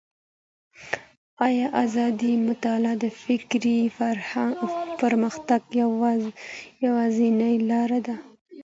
آيا ازاده مطالعه د فکري پرمختګ يوازينۍ لاره ده؟